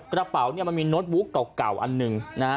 กระเป๋าเนี่ยมันมีโน้ตบุ๊กเก่าอันหนึ่งนะฮะ